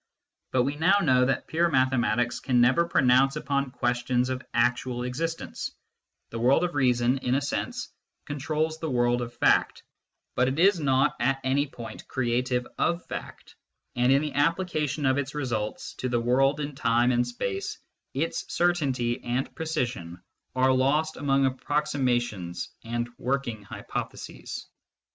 But we now know that pure mathematics can never pronounce upon questions of actual existence : the world of reason, in a sense, controls the world of fact, but it is not at any point creative of fact, and in the application of its results to the world in time and space, its certainty and precision are lost among approximations and working hypotheses.